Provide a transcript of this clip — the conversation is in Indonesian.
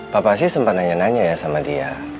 papa sih sempat nanya nanya ya sama dia